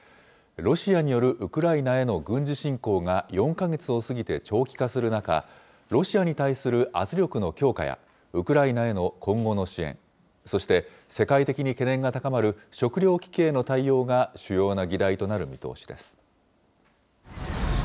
ロシアによるウクライナへの軍事侵攻が４か月を過ぎて長期化する中、ロシアに対する圧力の強化やウクライナへの今後の支援、そして世界的に懸念が高まる食料危機への対応が主要な議題となる見通しです。